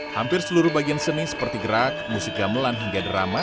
hampir seluruh bagian seni seperti gerak musik gamelan hingga drama